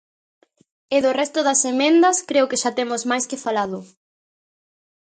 E do resto das emendas creo que xa temos máis que falado.